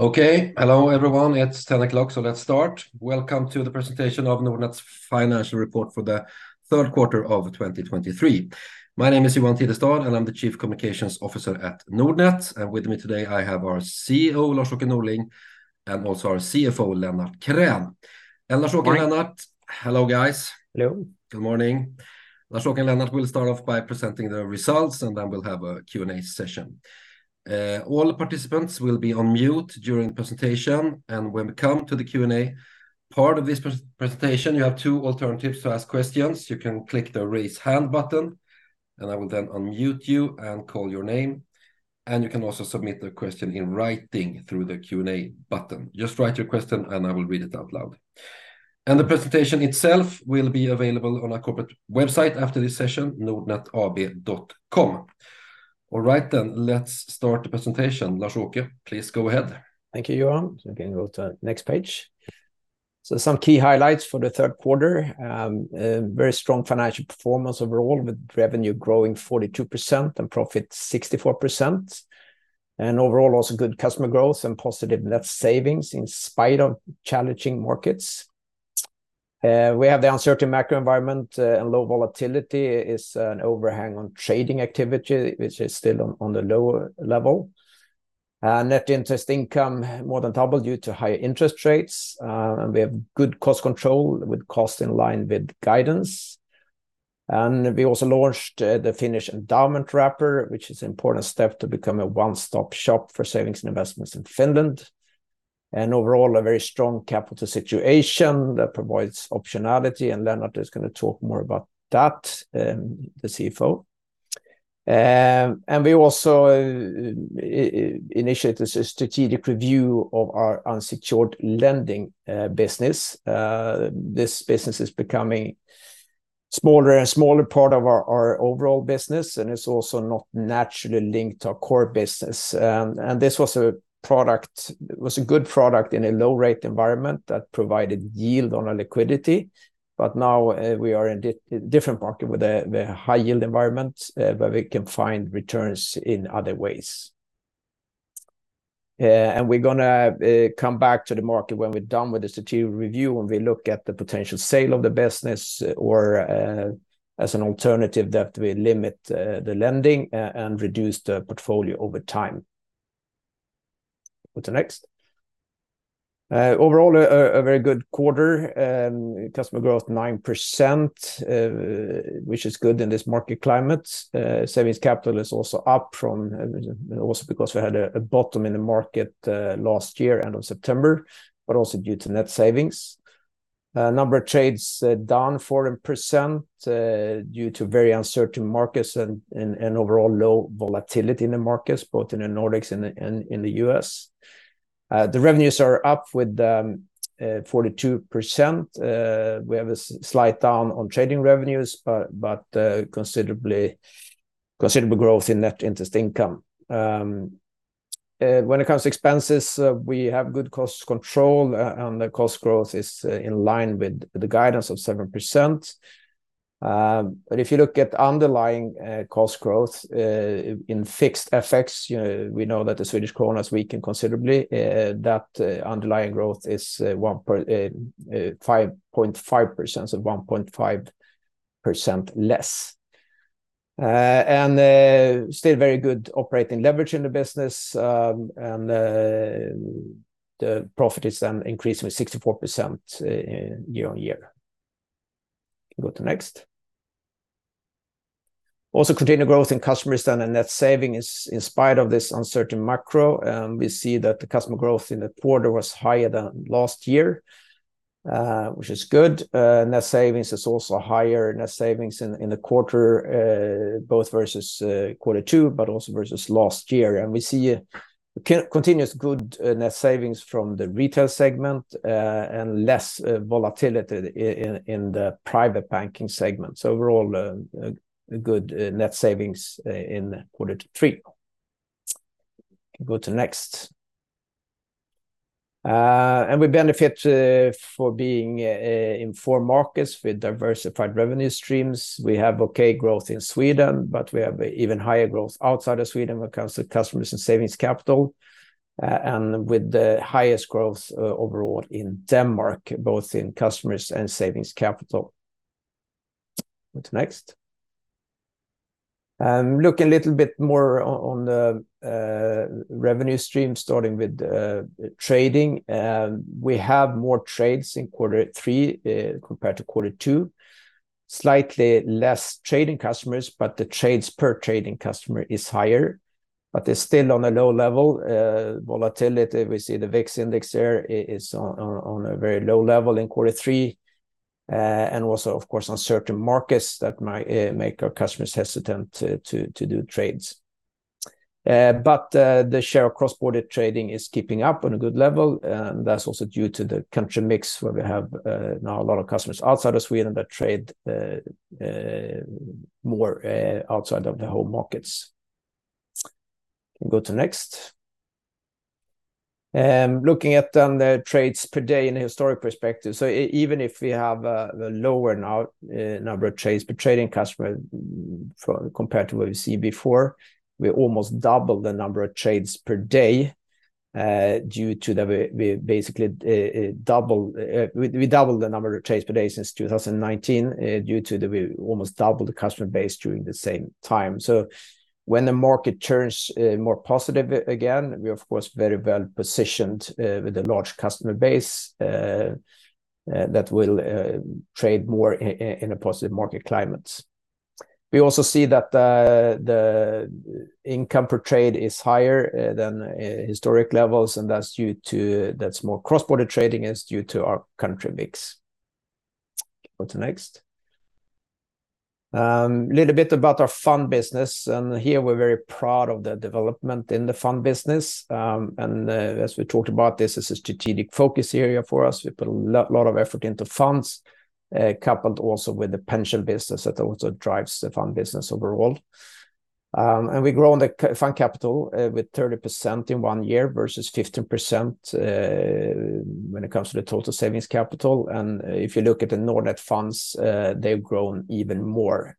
Okay. Hello, everyone. It's 10:00 A.M., so let's start. Welcome to the presentation of Nordnet's Financial Report for The Third Quarter of 2023. My name is Johan Tidestad, and I'm the Chief Communications Officer at Nordnet. And with me today, I have our CEO, Lars-Åke Norling, and also our CFO, Lennart Krän. And Lars-Åke and Lennart- Hi. Hello, guys. Hello. Good morning. Lars-Åke and Lennart will start off by presenting the results, and then we'll have a Q and A session. All participants will be on mute during the presentation, and when we come to the Q and A part of this presentation, you have two alternatives to ask questions. You can click the Raise Hand button, and I will then unmute you and call your name, and you can also submit the question in writing through the Q and A button. Just write your question, and I will read it out loud. The presentation itself will be available on our corporate website after this session, nordnetab.com. All right, then let's start the presentation. Lars-Åke, please go ahead. Thank you, Johan. You can go to the next page. So some key highlights for the third quarter. A very strong financial performance overall, with revenue growing 42% and profit 64%. And overall, also good customer growth and positive net savings in spite of challenging markets. We have the uncertain macro environment, and low volatility is an overhang on trading activity, which is still on the lower level. Net interest income more than doubled due to higher interest rates. And we have good cost control, with cost in line with guidance. And we also launched the Finnish endowment wrapper, which is important step to become a one-stop shop for savings and investments in Finland. And overall, a very strong capital situation that provides optionality, and Lennart is gonna talk more about that, the CFO. We also initiate a strategic review of our unsecured lending business. This business is becoming a smaller and smaller part of our overall business, and it's also not naturally linked to our core business. This was a product—it was a good product in a low-rate environment that provided yield on our liquidity, but now we are in a different market with a high-yield environment where we can find returns in other ways. We're going to come back to the market when we're done with the strategic review, and we look at the potential sale of the business or, as an alternative, that we limit the lending and reduce the portfolio over time. Go to next. Overall, a very good quarter. Customer growth, 9%, which is good in this market climate. Savings capital is also up from, also because we had a bottom in the market, last year, end of September, but also due to net savings. A number of trades, down 14%, due to very uncertain markets and overall low volatility in the markets, both in the Nordics and in the U.S.. The revenues are up with 42%. We have a slight down on trading revenues, but considerable growth in net interest income. When it comes to expenses, we have good cost control, and the cost growth is in line with the guidance of 7%. But if you look at underlying cost growth in fixed effects, you know, we know that the Swedish krona has weakened considerably, that underlying growth is 1.5%, 5.5%, so 1.5% less. And still very good operating leverage in the business, and the profit is then increasing with 64% year-on-year. Go to next. Also, continued growth in customers and in net savings in spite of this uncertain macro, we see that the customer growth in the quarter was higher than last year, which is good. Net savings is also higher. Net savings in the quarter both versus quarter two, but also versus last year. We see continuous good net savings from the retail segment, and less volatility in the private banking segment. Overall, good net savings in quarter three. Go to next. We benefit from being in four markets with diversified revenue streams. We have okay growth in Sweden, but we have even higher growth outside of Sweden when it comes to customers and savings capital, with the highest growth overall in Denmark, both in customers and savings capital. Go to next. Look a little bit more on the revenue stream, starting with trading. We have more trades in quarter three compared to quarter two. Slightly less trading customers, but the trades per trading customer is higher, but it's still on a low level. Volatility, we see the VIX index there is on a very low level in quarter three, and also, of course, uncertain markets that might make our customers hesitant to do trades. But the share of cross-border trading is keeping up on a good level, and that's also due to the country mix, where we have now a lot of customers outside of Sweden that trade more outside of the home markets. Go to next. Looking at then the trades per day in a historic perspective. So even if we have the lower now number of trades per trading customer for compared to what we've seen before, we almost doubled the number of trades per day due to the we basically doubled the number of trades per day since 2019 due to the we almost doubled the customer base during the same time. So when the market turns more positive again, we're of course very well positioned with a large customer base that will trade more in a positive market climate. We also see that the income per trade is higher than historic levels, and that's due to... That's more cross-border trading, and it's due to our country mix. Go to next. A little bit about our fund business, and here we're very proud of the development in the fund business. And as we talked about, this is a strategic focus area for us. We put a lot of effort into funds, coupled also with the pension business that also drives the fund business overall. And we grew on the fund capital with 30% in one year versus 15%, when it comes to the total savings capital. And if you look at the Nordnet funds, they've grown even more.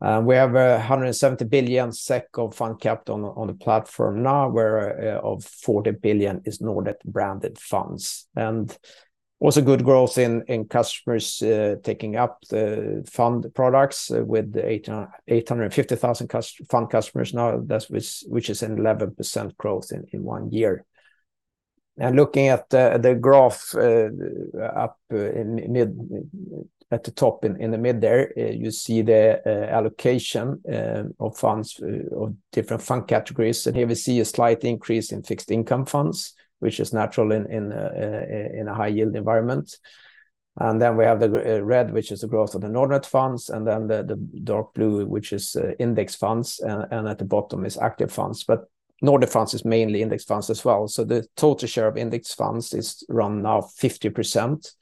We have 170 billion SEK of fund capital on the platform now, where of 40 billion is Nordnet-branded funds. And also good growth in customers taking up the fund products with 850,000 fund customers now, that's which is an 11% growth in one year. And looking at the graph up in the mid at the top in the mid there, you see the allocation of funds of different fund categories. And here we see a slight increase in fixed income funds, which is natural in a high-yield environment. And then we have the red, which is the growth of the Nordnet funds, and then the dark blue, which is index funds, and at the bottom is active funds. But Nordnet funds is mainly index funds as well, so the total share of index funds is around now 50%.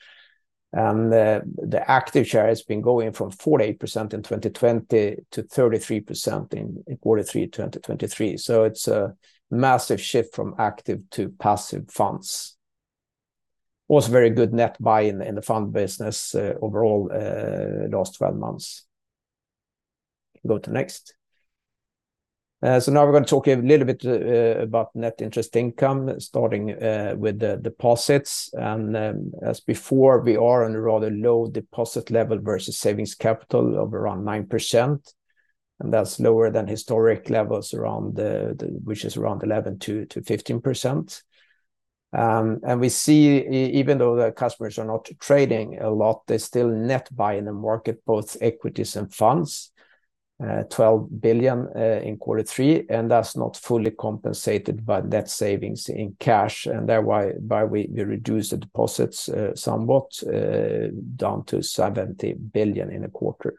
The active share has been going from 48% in 2020 to 33% in Q3 2023. So it's a massive shift from active to passive funds. Also very good net buy in the fund business overall last 12 months. Go to next. So now we're going to talk a little bit about net interest income, starting with the deposits. And as before, we are on a rather low deposit level versus savings capital of around 9%, and that's lower than historic levels, which is around 11%-15%. And we see even though the customers are not trading a lot, they're still net buy in the market, both equities and funds, 12 billion in quarter three, and that's not fully compensated by net savings in cash, and thereby, we reduce the deposits somewhat down to 70 billion in a quarter.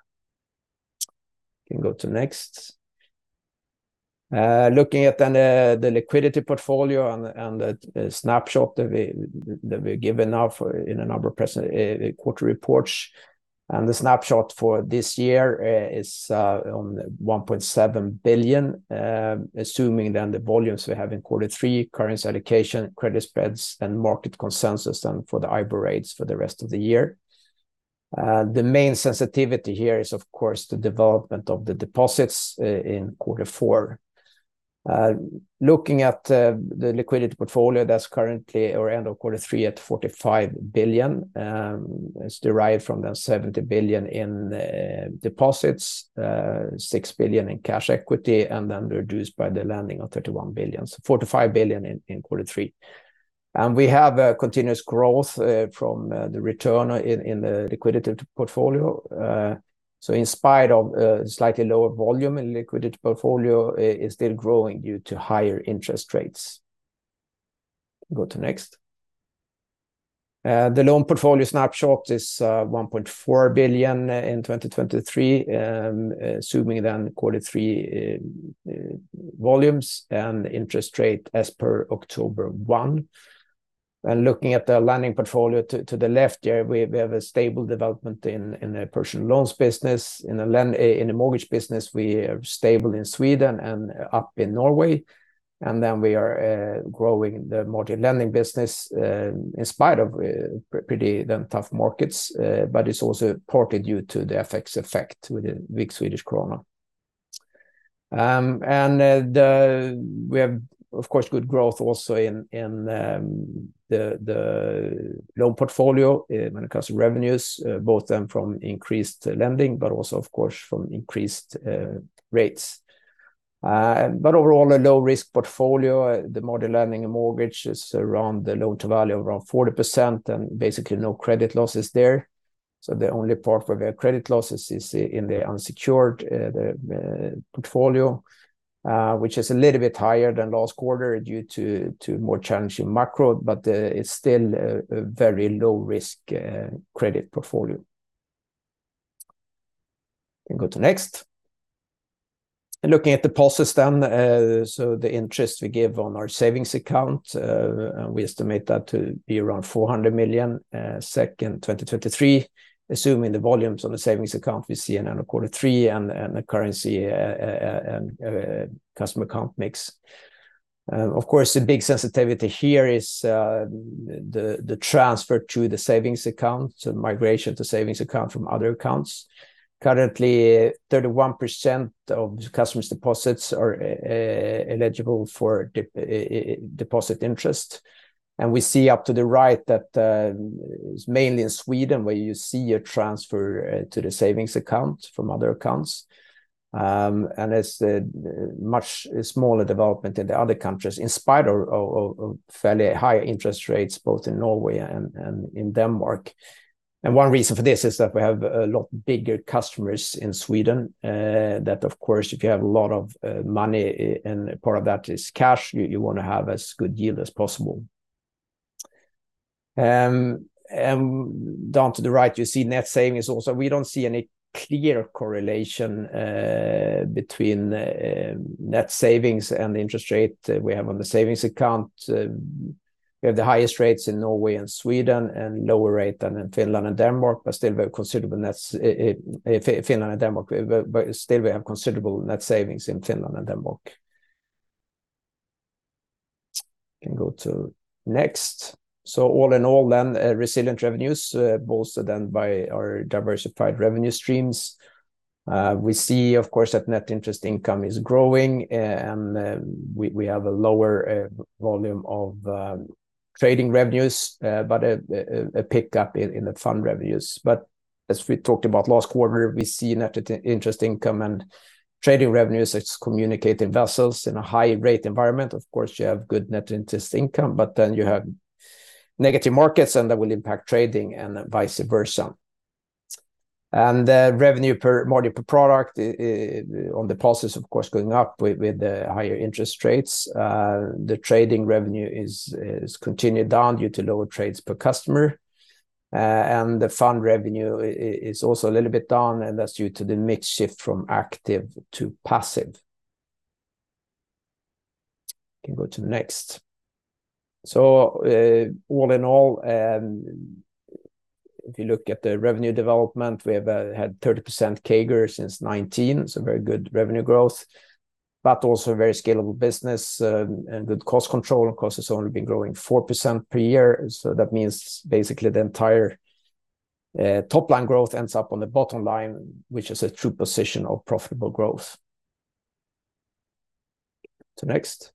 Can go to next. Looking at then the liquidity portfolio and the snapshot that we've given now for in a number of present quarter reports, and the snapshot for this year is on 1.7 billion. Assuming then the volumes we have in quarter three, currency allocation, credit spreads, and market consensus, and for the IBOR rates for the rest of the year. The main sensitivity here is, of course, the development of the deposits in quarter four. Looking at the liquidity portfolio, that's currently or end of quarter three at 45 billion, is derived from the 70 billion in deposits, SEK 6 billion in cash equity, and then reduced by the lending of 31 billion. So 45 billion in quarter three. And we have a continuous growth from the return in the liquidity portfolio. So in spite of slightly lower volume in liquidity portfolio, it is still growing due to higher interest rates. Go to next. The loan portfolio snapshot is 1.4 billion in 2023, assuming then quarter three volumes and interest rate as per October 1. Looking at the lending portfolio to the left here, we have a stable development in the personal loans business. In the mortgage business, we are stable in Sweden and up in Norway, and we are growing the mortgage lending business in spite of pretty tough markets. It's also partly due to the FX effect with the weak Swedish krona. We have, of course, good growth also in the loan portfolio when it comes to revenues, both from increased lending, but also, of course, from increased rates. Overall, a low-risk portfolio, the mortgage lending and mortgage is around the loan-to-value of around 40%, and basically, no credit losses there. The only part for the credit losses is in the unsecured portfolio, which is a little bit higher than last quarter due to more challenging macro, but it's still a very low-risk credit portfolio. Can go to next. Looking at the pluses then, so the interest we give on our savings account, and we estimate that to be around 400 million SEK in 2023, assuming the volumes on the savings account we see in end of quarter three and the currency and customer account mix. Of course, the big sensitivity here is the transfer to the savings account, so migration to savings account from other accounts. Currently, 31% of the customer's deposits are eligible for deposit interest. We see up to the right that, mainly in Sweden, where you see a transfer to the savings account from other accounts. It's a much smaller development in the other countries, in spite of fairly high interest rates, both in Norway and in Denmark. One reason for this is that we have a lot bigger customers in Sweden. That, of course, if you have a lot of money, and part of that is cash, you want to have as good yield as possible. And down to the right, you see net savings also. We don't see any clear correlation between net savings and the interest rate we have on the savings account. We have the highest rates in Norway and Sweden, and lower rate than in Finland and Denmark, but still very considerable net savings in Finland and Denmark. Can go to next. So all in all, resilient revenues, bolstered by our diversified revenue streams. We see, of course, that net interest income is growing, and we have a lower volume of trading revenues, but a pick-up in the fund revenues. But as we talked about last quarter, we see net interest income and trading revenues as communicating vessels in a high-rate environment. Of course, you have good net interest income, but then you have negative markets, and that will impact trading and vice versa. Revenue per margin per product, on the plus side, of course, going up with the higher interest rates. The trading revenue is continued down due to lower trades per customer. And the fund revenue is also a little bit down, and that's due to the mix shift from active to passive. Can go to the next. So, all in all, if you look at the revenue development, we have had 30% CAGR since 2019, so very good revenue growth, but also very scalable business, and good cost control. Of course, it's only been growing 4% per year, so that means basically the entire top line growth ends up on the bottom line, which is a true position of profitable growth. To next.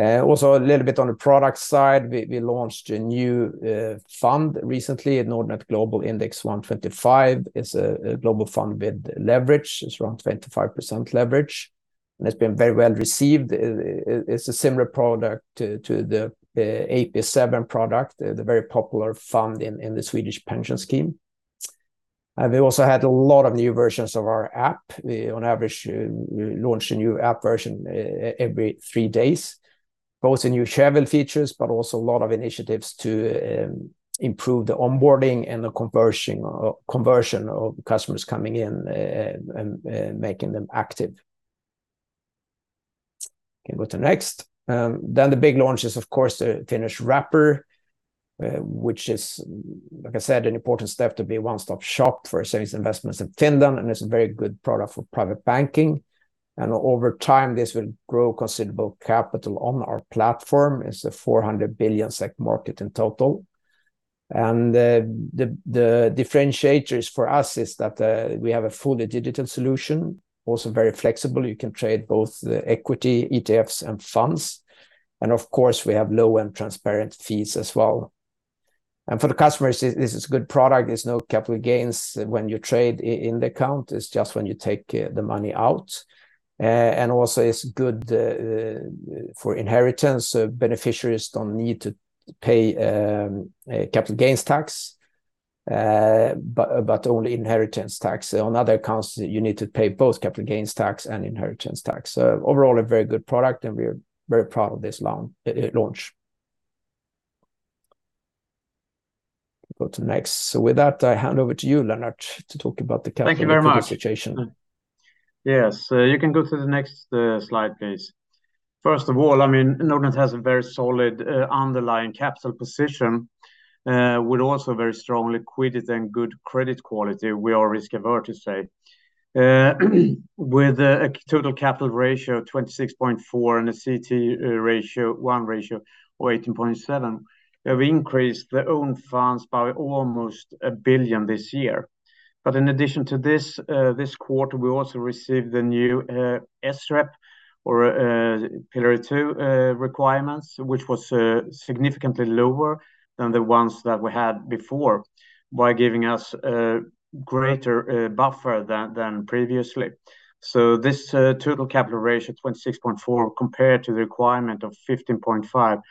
Also a little bit on the product side. We launched a new fund recently, a Nordnet Global Index 125. It's a global fund with leverage. It's around 25% leverage, and it's been very well received. It's a similar product to the AP7 product, the very popular fund in the Swedish pension scheme. And we also had a lot of new versions of our app. On average, we launch a new app version every three days, both in new shareable features, but also a lot of initiatives to improve the onboarding and the conversion of customers coming in and making them active. Can go to next. Then the big launch is, of course, the Finnish wrapper, which is, like I said, an important step to be a one-stop shop for savings investments in Finland, and it's a very good product for private banking. Over time, this will grow considerable capital on our platform. It's a 400 billion SEK market in total. The differentiators for us is that we have a fully digital solution, also very flexible. You can trade both the equity, ETFs, and funds, and of course, we have low and transparent fees as well. For the customers, this is a good product. There's no capital gains when you trade in the account. It's just when you take the money out. And also it's good for inheritance. So beneficiaries don't need to pay a capital gains tax, but only inheritance tax. On other accounts, you need to pay both capital gains tax and inheritance tax. So overall, a very good product, and we're very proud of this launch. Go to next. So with that, I hand over to you, Lennart, to talk about the capital and the situation. Thank you very much. Yes, you can go to the next slide, please. First of all, I mean, Nordnet has a very solid underlying capital position with also very strong liquidity and good credit quality. We are risk-averse, say. With a total capital ratio of 26.4 and a CET1 ratio of 18.7, we increased the own funds by almost 1 billion this year. But in addition to this, this quarter, we also received the new SREP or Pillar 2 requirements, which was significantly lower than the ones that we had before, by giving us a greater buffer than previously. So this total capital ratio, 26.4, compared to the requirement of 15.5,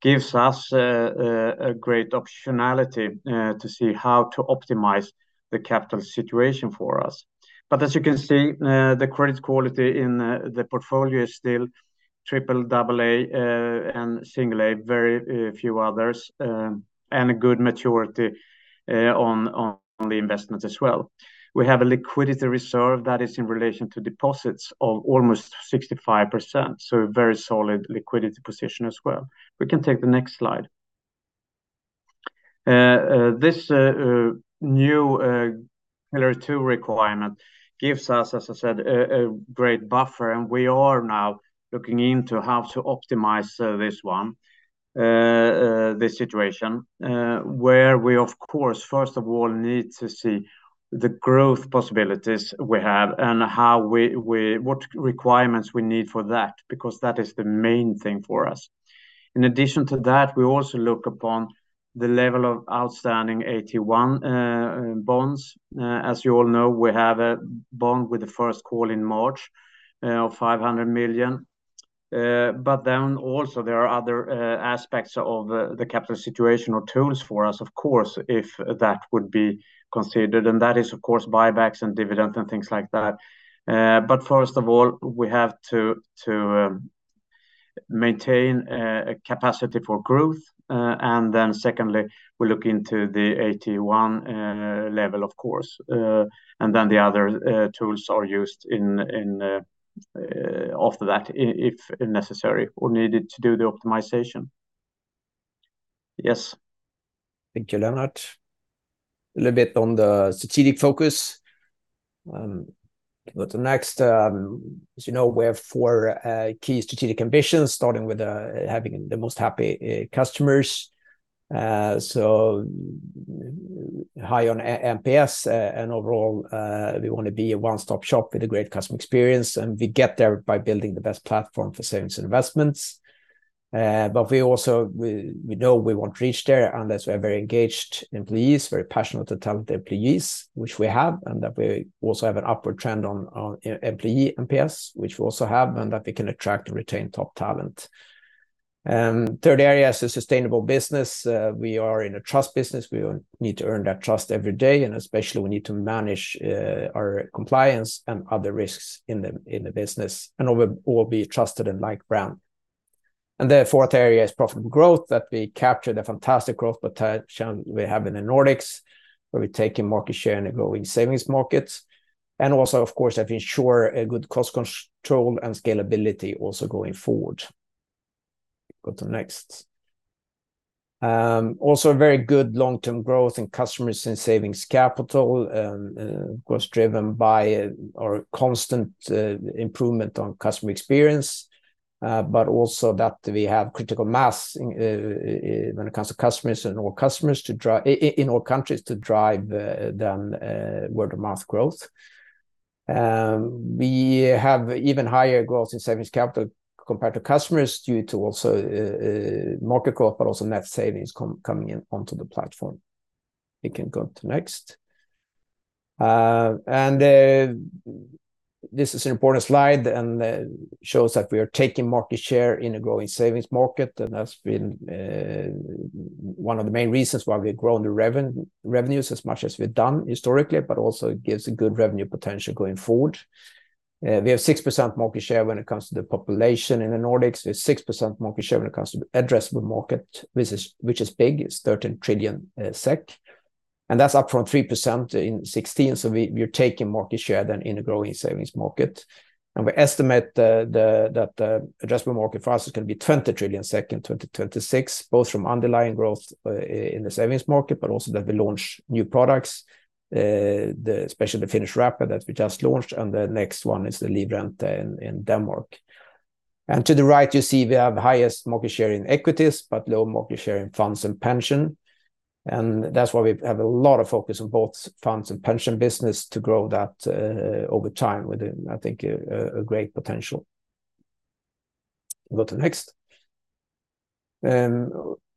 gives us a great optionality to see how to optimize the capital situation for us. But as you can see, the credit quality in the portfolio is still triple-A, double-A, and single-A, very few others, and a good maturity on the investment as well. We have a liquidity reserve that is in relation to deposits of almost 65%, so a very solid liquidity position as well. We can take the next slide. This new Pillar 2 requirement gives us, as I said, a great buffer, and we are now looking into how to optimize this one, this situation. Where we, of course, first of all, need to see the growth possibilities we have and how we what requirements we need for that, because that is the main thing for us. In addition to that, we also look upon the level of outstanding AT1 bonds. As you all know, we have a bond with the first call in March of 500 million. But then also there are other aspects of the capital situation or tools for us, of course, if that would be considered, and that is, of course, buybacks and dividends and things like that. But first of all, we have to maintain a capacity for growth. And then secondly, we look into the eighty-one level, of course. And then the other tools are used in after that, if necessary or needed, to do the optimization. Yes. Thank you, Lennart. A little bit on the strategic focus. Go to the next. As you know, we have four key strategic ambitions, starting with having the most happy customers. So high on NPS, and overall, we want to be a one-stop shop with a great customer experience, and we get there by building the best platform for savings and investments. But we also know we won't reach there unless we have very engaged employees, very passionate and talented employees, which we have, and that we also have an upward trend on employee NPS, which we also have, and that we can attract and retain top talent. And third area is a sustainable business. We are in a trust business. We need to earn that trust every day, and especially we need to manage our compliance and other risks in the business, and we'll be a trusted and liked brand. The fourth area is profitable growth, that we capture the fantastic growth potential we have in the Nordics, where we're taking market share in a growing savings market, and also, of course, to ensure a good cost control and scalability also going forward. Go to next. Also a very good long-term growth in customers and savings capital was driven by our constant improvement on customer experience, but also that we have critical mass when it comes to customers and all customers in all countries to drive word-of-mouth growth. We have even higher growth in savings capital compared to customers, due to also market growth, but also net savings coming in onto the platform. We can go to next. And this is an important slide and shows that we are taking market share in a growing savings market, and that's been one of the main reasons why we've grown the revenues as much as we've done historically, but also gives a good revenue potential going forward. We have 6% market share when it comes to the population in the Nordics, with 6% market share when it comes to addressable market, which is big, it's 13 trillion SEK, and that's up from 3% in 2016. So we're taking market share then in a growing savings market. We estimate that the adjustment market for us is gonna be 20 trillion in 2026, both from underlying growth in the savings market, but also that we launch new products, especially the Finnish wrapper that we just launched, and the next one is the Livrente in Denmark. To the right, you see we have highest market share in equities, but low market share in funds and pension, and that's why we have a lot of focus on both funds and pension business to grow that over time, with I think a great potential. Go to the next.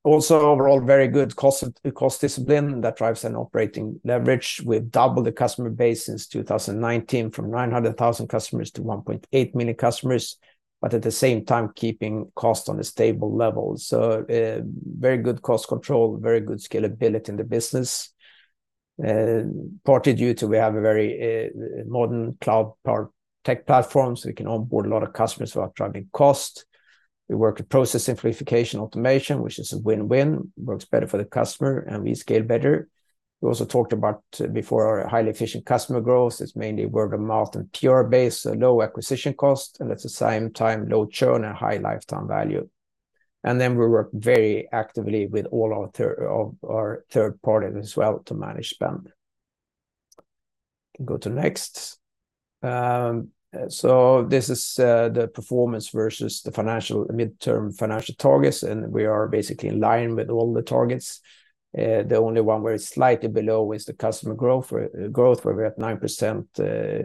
Also, overall, very good cost discipline that drives an operating leverage. We've doubled the customer base since 2019, from 900,000 customers to 1.8 million customers, but at the same time, keeping costs on a stable level. So, very good cost control, very good scalability in the business. Partly due to we have a very, modern cloud tech platform, so we can onboard a lot of customers who are driving cost. We work with process simplification, automation, which is a win-win, works better for the customer, and we scale better. We also talked about before, our highly efficient customer growth is mainly word of mouth and pure base, so low acquisition cost, and at the same time, low churn and high lifetime value. And then we work very actively with all our third parties as well to manage spend. Go to next. This is the performance versus the midterm financial targets, and we are basically in line with all the targets. The only one where it's slightly below is the customer growth, where we're at 9%,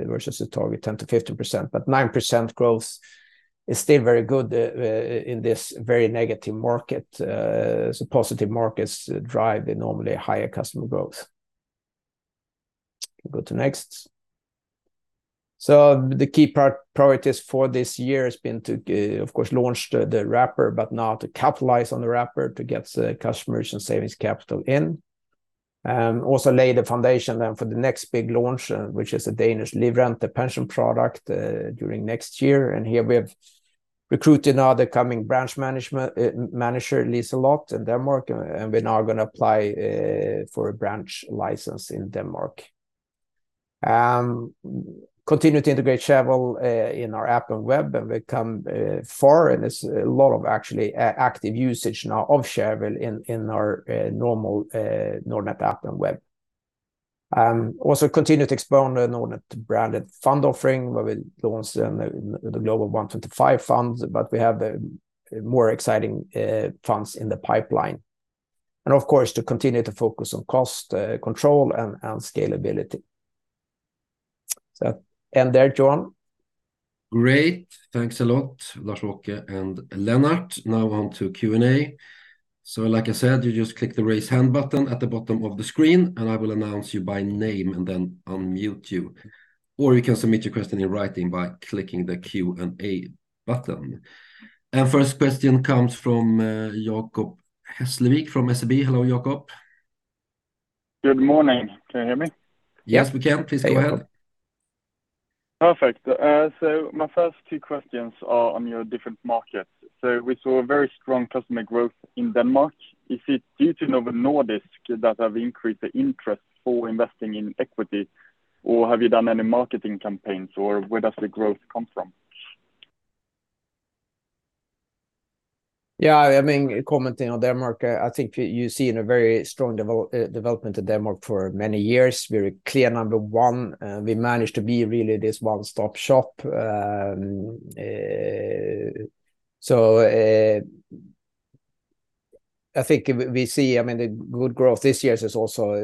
versus the target, 10%-15%. But 9% growth is still very good in this very negative market. So positive markets drive the normally higher customer growth. Go to next. The key priorities for this year has been to, of course, launch the wrapper, but now to capitalize on the wrapper to get the customers and savings capital in. Also lay the foundation then for the next big launch, which is a Danish Livrente pension product, during next year. We have recruited now the coming branch management, manager, Liselotte Hjorth in Denmark, and we're now gonna apply for a branch license in Denmark. Continue to integrate Shareville in our app and web, and we come far, and it's a lot of actually, actually active usage now of Shareville in our normal Nordnet app and web. Also continue to expand the Nordnet branded fund offering, where we launched the Global 125 fund, but we have more exciting funds in the pipeline. Of course, continue to focus on cost control and scalability. End there, John. Great. Thanks a lot, Lars-Åke Norling and Lennart Krän. Now on to Q and A. So like I said, you just click the Raise Hand button at the bottom of the screen, and I will announce you by name and then unmute you. Or you can submit your question in writing by clicking the Q and A button. And first question comes from Jacob Hesslevik from SEB. Hello, Jacob. Good morning. Can you hear me? Yes, we can. Please go ahead. Perfect. So my first two questions are on your different markets. We saw a very strong customer growth in Denmark. Is it due to Novo Nordisk that have increased the interest for investing in equity, or have you done any marketing campaigns, or where does the growth come from? Yeah, I mean, commenting on Denmark, I think you see in a very strong development in Denmark for many years. We're clear number one, we managed to be really this one-stop shop. So, I think we see, I mean, the good growth this year is also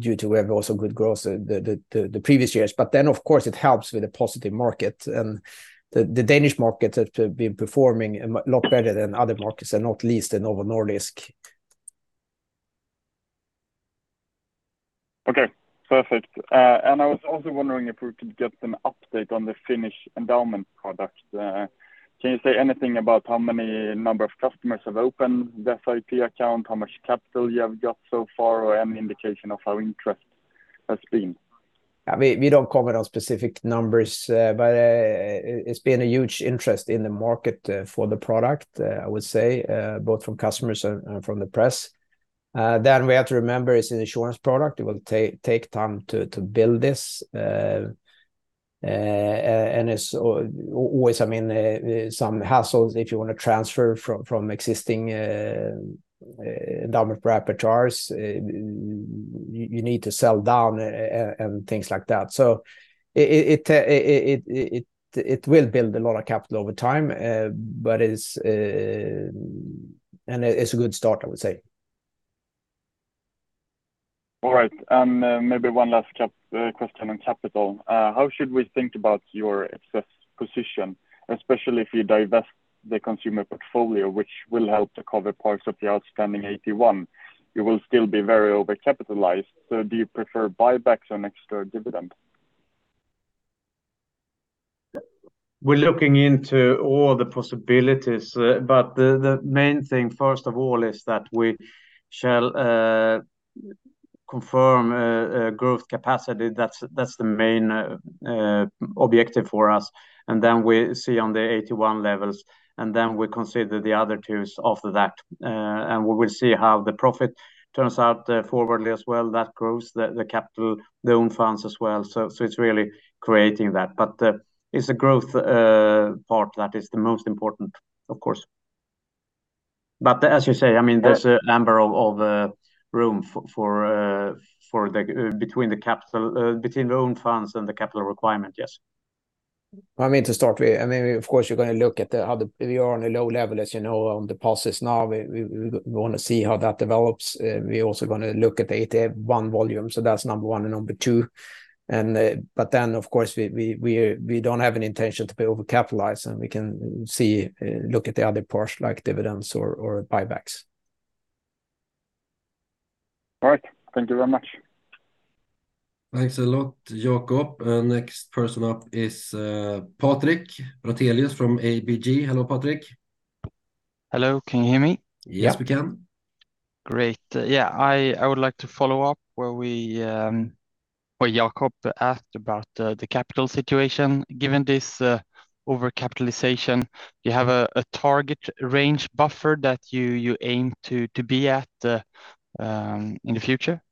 due to we have also good growth the previous years. But then, of course, it helps with a positive market, and the Danish market have been performing a lot better than other markets, and not least the Novo Nordisk. Okay, perfect. I was also wondering if we could get an update on the Finnish endowment product. Can you say anything about how many number of customers have opened the SIP account, how much capital you have got so far, or any indication of how interest has been? We don't comment on specific numbers, but it's been a huge interest in the market for the product, I would say, both from customers and from the press. Then we have to remember it's an insurance product. It will take time to build this. And it's always, I mean, some hassles if you want to transfer from existing endowment insurance, you need to sell down and things like that. So it will build a lot of capital over time, but it's... And it's a good start, I would say. All right. Maybe one last question on capital. How should we think about your excess position, especially if you divest the consumer portfolio, which will help to cover parts of the outstanding AT1? You will still be very overcapitalized, so do you prefer buybacks and extra dividends? We're looking into all the possibilities, but the main thing, first of all, is that we shall confirm a growth capacity. That's the main objective for us, and then we see on the 81 levels, and then we consider the other two after that. And we will see how the profit turns out forwardly as well. That grows the capital, the own funds as well. So it's really creating that. But it's the growth part that is the most important, of course. But as you say, I mean, there's a number of room for between the capital, between the own funds and the capital requirement, yes. I mean, to start with, I mean, of course, you're gonna look at the other... We are on a low level, as you know, on the pulses now. We, we, we want to see how that develops. We're also gonna look at the AT1 volume, so that's number one and number two. I mean, of course, we, we, we don't have an intention to be overcapitalized, and we can see, look at the other parts, like dividends or buybacks. All right. Thank you very much. Thanks a lot, Jacob. Next person up is Patrik Brattelius from ABG. Hello, Patrik. Hello. Can you hear me? Yes, we can. Great. Yeah, I would like to follow up where we, where Jacob asked about the capital situation. Given this, overcapitalization, you have a target range buffer that you aim to be at in the future?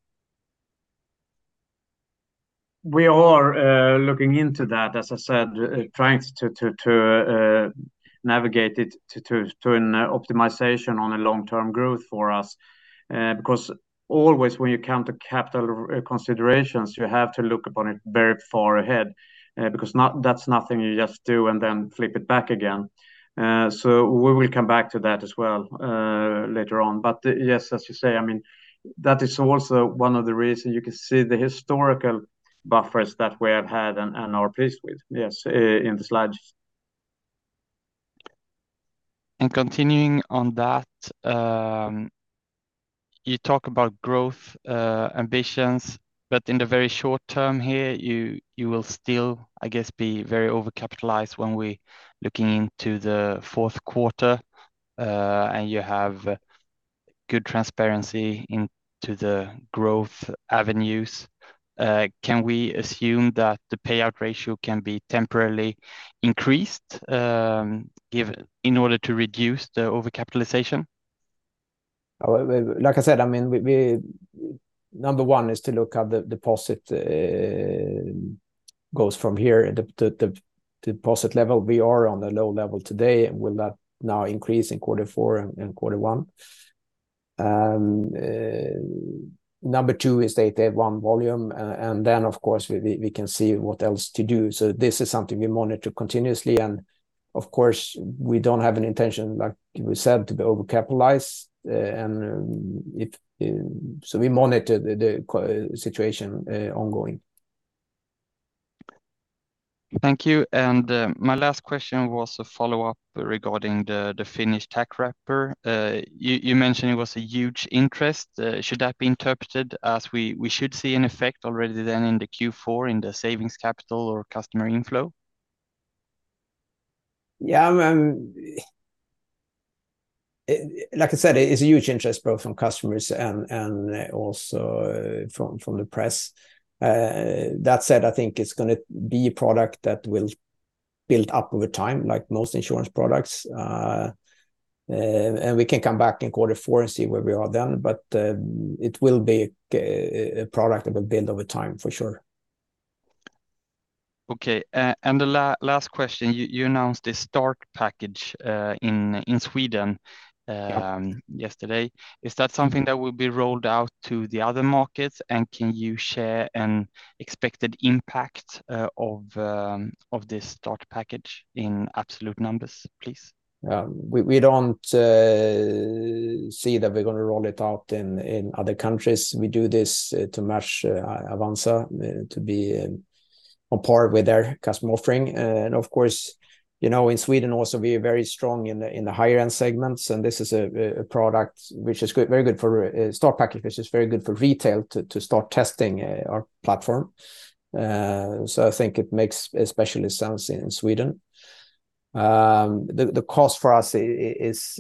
We are looking into that, as I said, trying to navigate it to an optimization on a long-term growth for us. Because always when you count the capital considerations, you have to look upon it very far ahead, because that's nothing you just do and then flip it back again. So we will come back to that as well, later on. But yes, as you say, I mean, that is also one of the reasons you can see the historical buffers that we have had and are pleased with, yes, in the slides. Continuing on that, you talk about growth ambitions, but in the very short term here, you will still, I guess, be very overcapitalized when we looking into the fourth quarter, and you have good transparency into the growth avenues. Can we assume that the payout ratio can be temporarily increased in order to reduce the overcapitalization? Like I said, I mean, we, we, number one is to look at the deposit, goes from here, the, the, the deposit level. We are on the low level today, will that now increase in quarter four and quarter one? Number two is the day one volume, and then, of course, we, we, we can see what else to do. This is something we monitor continuously, and of course, we don't have an intention, like we said, to be over-capitalized. If, we monitor the situation ongoing. Thank you. My last question was a follow-up regarding the Finnish tax wrapper. You mentioned it was a huge interest. Should that be interpreted as we should see an effect already then in the Q4 in the savings capital or customer inflow? Yeah, like I said, it's a huge interest, both from customers and also from the press. That said, I think it's gonna be a product that will build up over time, like most insurance products. And we can come back in quarter four and see where we are then, but it will be a product that will build over time, for sure. Okay. And the last question, you announced the start package in Sweden. Yeah... yesterday. Is that something that will be rolled out to the other markets, and can you share an expected impact of this start package in absolute numbers, please? Yeah. We don't see that we're gonna roll it out in other countries. We do this to match Avanza to be on par with their customer offering. And of course, you know, in Sweden also, we are very strong in the higher-end segments, and this is a product which is good, very good for start package, which is very good for retail to start testing our platform. So I think it makes especially sense in Sweden. The cost for us is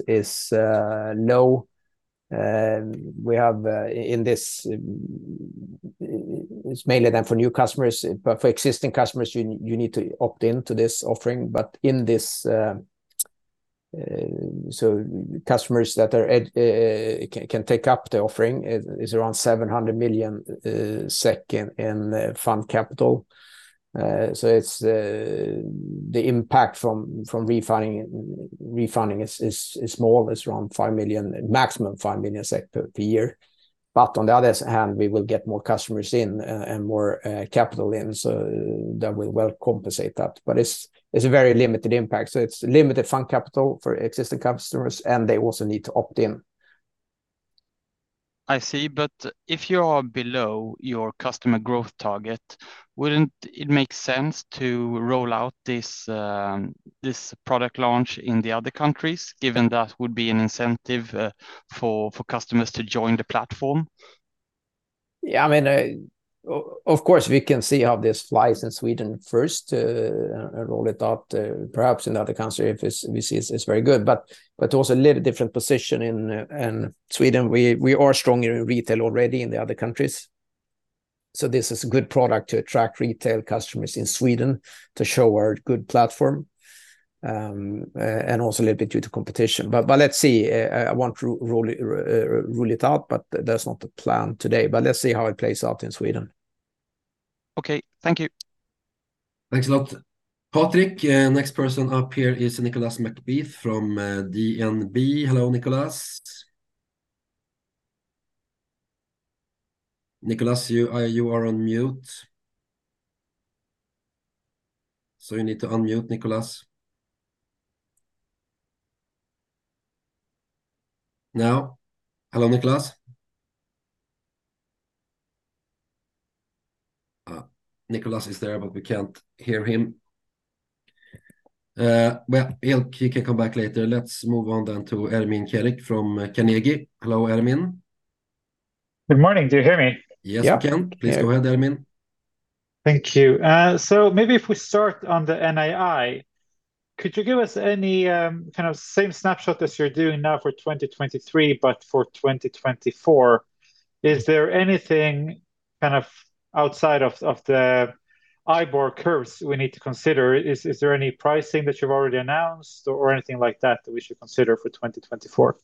no, we have in this, it's mainly then for new customers, but for existing customers, you need to opt in to this offering. But in this, so customers that can take up the offering is around 700 million SEK in fund capital. So it's the impact from refunding is small. It's around 5 million, maximum 5 million SEK per year. But on the other hand, we will get more customers in and more capital in, so that will well compensate that. But it's a very limited impact, so it's limited fund capital for existing customers, and they also need to opt in. I see, but if you are below your customer growth target, wouldn't it make sense to roll out this, this product launch in the other countries, given that would be an incentive for customers to join the platform? Yeah, I mean, of course, we can see how this flies in Sweden first, roll it out, perhaps in the other country if we see it's very good. But also a little different position in Sweden. We are stronger in retail already in the other countries, so this is a good product to attract retail customers in Sweden to show our good platform. And also a little bit due to competition. But let's see. I won't rule it out, but that's not the plan today. But let's see how it plays out in Sweden. Okay. Thank you. Thanks a lot, Patrik. Next person up here is Nicolas McBeath from DNB. Hello, Nicolas. Nicolas, you are, you are on mute, so you need to unmute, Nicolas. Now. Hello, Nicolas. Nicolas is there, but we can't hear him. Well, he'll, he can come back later. Let's move on then to Ermin Keric from Carnegie. Hello, Ermin. Good morning. Do you hear me? Yes, we can. Yeah. Please go ahead, Ermin. Thank you. So maybe if we start on the NII, could you give us any kind of same snapshot as you're doing now for 2023, but for 2024? Is there anything kind of outside of the IBOR curves we need to consider? Is there any pricing that you've already announced or anything like that, that we should consider for 2024?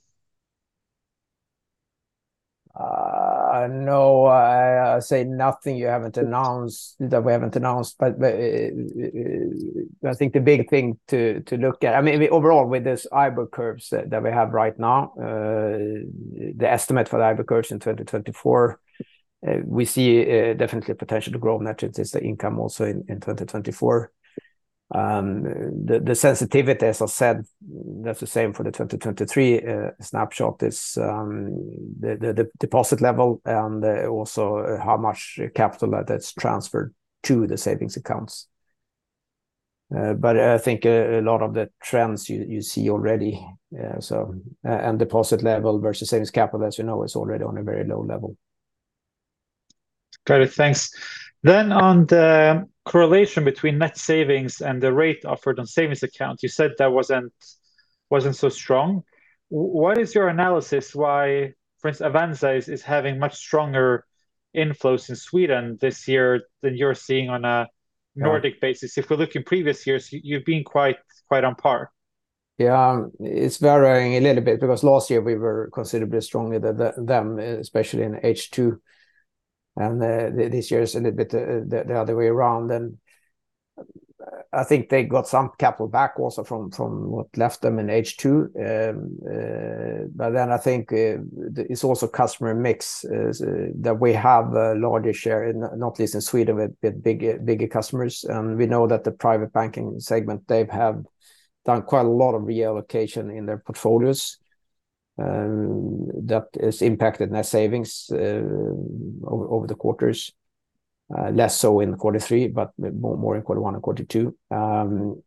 No, I say nothing you haven't announced, that we haven't announced, but I think the big thing to look at, I mean, overall, with this IBOR curves that we have right now, the estimate for the IBOR curves in 2024, we see definitely a potential to grow net interest income also in 2024. The sensitivity, as I said, that's the same for the 2023 snapshot, is the deposit level and also how much capital that's transferred to the savings accounts. But I think a lot of the trends you see already, and deposit level versus savings capital, as you know, is already on a very low level. Got it. Thanks. Then on the correlation between net savings and the rate offered on savings accounts, you said that wasn't so strong. What is your analysis why, for instance, Avanza is having much stronger?... inflows in Sweden this year that you're seeing on a Nordic basis. If we look in previous years, you've been quite, quite on par. Yeah, it's varying a little bit, because last year we were considerably stronger than them, especially in H2, and this year is a little bit the other way around. And I think they got some capital back also from what left them in H2. But then I think it's also customer mix that we have a larger share, not least in Sweden, with bigger customers. And we know that the private banking segment they've done quite a lot of reallocation in their portfolios that has impacted net savings over the quarters. Less so in quarter three, but more in quarter one and quarter two. But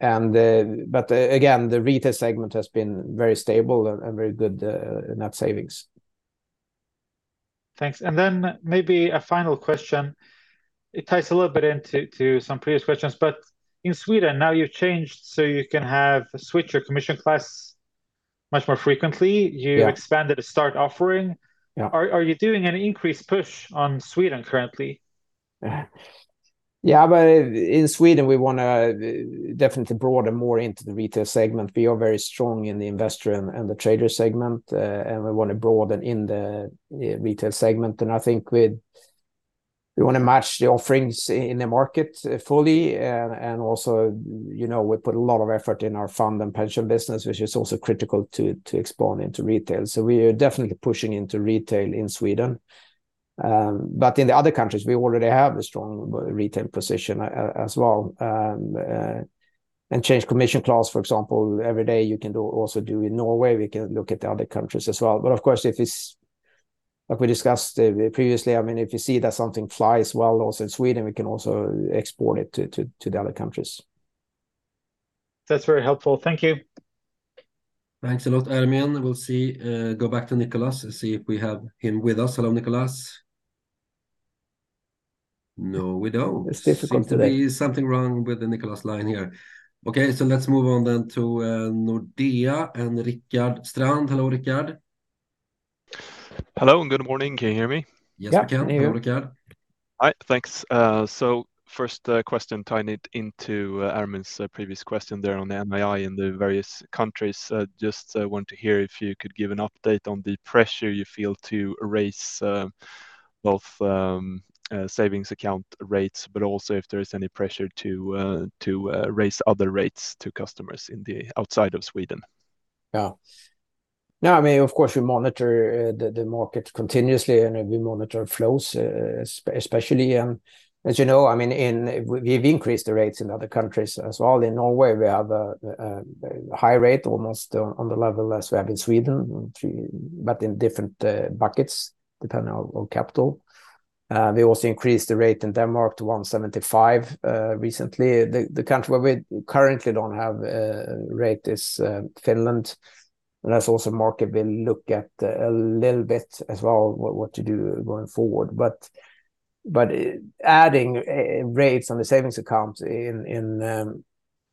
again, the retail segment has been very stable and very good in net savings. Thanks. And then maybe a final question. It ties a little bit into, to some previous questions, but in Sweden, now you've changed, so you can have switch your commission class much more frequently. Yeah. You expanded the start offering. Yeah. Are you doing an increased push on Sweden currently? Yeah, but in Sweden, we wanna definitely broaden more into the retail segment. We are very strong in the investor and the trader segment, and we want to broaden in the retail segment. And I think we want to match the offerings in the market fully. And also, you know, we put a lot of effort in our fund and pension business, which is also critical to expand into retail. So we are definitely pushing into retail in Sweden. But in the other countries, we already have a strong retail position as well. And change commission class, for example, every day you can do also in Norway, we can look at the other countries as well. But of course, if it's, like we discussed previously, I mean, if you see that something flies well also in Sweden, we can also export it to the other countries. That's very helpful. Thank you. Thanks a lot, Ermin. We'll see, go back to Nicolas and see if we have him with us. Hello, Nicolas. No, we don't. It's difficult today. There is something wrong with the Nicolas line here. Okay, so let's move on then to Nordea and Rickard Strand. Hello, Rickard. Hello, and good morning. Can you hear me? Yes, we can. Yeah, I can hear you. Hello, Rickard. Hi. Thanks. So first question, tying it into Ermin's previous question there on the NII in the various countries. Just want to hear if you could give an update on the pressure you feel to raise both savings account rates, but also if there is any pressure to raise other rates to customers outside of Sweden? Yeah. Now, I mean, of course, we monitor the market continuously, and we monitor flows especially. And as you know, I mean, we've increased the rates in other countries as well. In Norway, we have a high rate, almost on the level as we have in Sweden, but in different buckets, depending on capital. We also increased the rate in Denmark to 1.75 recently. The country where we currently don't have a rate is Finland, and that's also a market we'll look at a little bit as well, what to do going forward. But adding rates on the savings accounts in